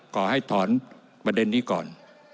ขอให้ถอนประเด็นนี้ก่อน